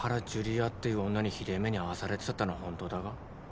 亜っていう女にひでぇ目に遭わされでだってのは本当だが？